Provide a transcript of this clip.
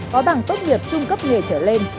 có bảng tốt nghiệp trung cấp nghề trở lên